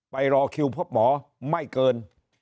รอคิวพบหมอไม่เกิน